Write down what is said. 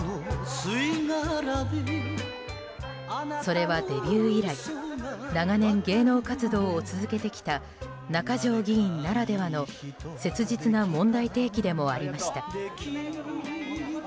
それはデビュー以来長年、芸能活動を続けてきた中条議員ならではの切実な問題提起でもありました。